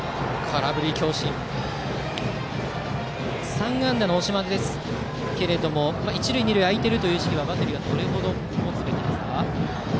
３安打の大島ですが一塁、二塁空いているという意識はバッテリーはどれほど持つべきですか？